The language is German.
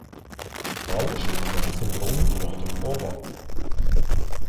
Alle Schuppen sind rund oder oval.